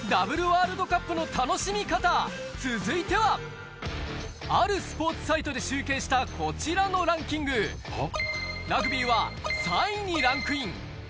続いてはあるスポーツサイトで集計したこちらのランキングラグビーは３位にランクイン